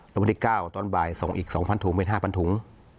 แล้ววันที่๙ตอนบ่ายส่งอีก๒๐๐ถุงเป็น๕๐๐ถุง